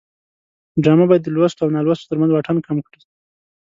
ډرامه باید د لوستو او نالوستو ترمنځ واټن کم کړي